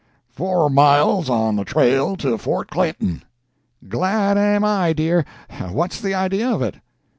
"Four miles on the trail to Fort Clayton." "Glad am I, dear! What's the idea of it?"